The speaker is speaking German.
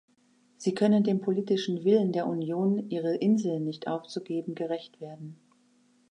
Sie können dem politischen Willen der Union, ihre Inseln nicht aufzugeben, gerecht werden.